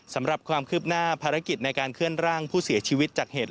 สำหรับความคืบหน้าภารกิจในการเคลื่อนร่างผู้เสียชีวิตจากเหตุ